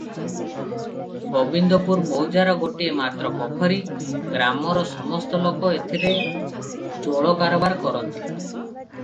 ଗୋବିନ୍ଦପୁର ମୌଜାର ଗୋଟିଏ ମାତ୍ର ପୋଖରୀ; ଗ୍ରାମର ସମସ୍ତଲୋକ ଏଥିରେ ଜଳ କାରବାର କରନ୍ତି ।